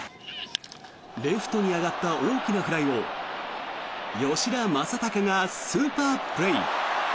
レフトに上がった大きなフライを吉田正尚がスーパープレー。